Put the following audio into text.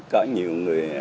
có nhiều người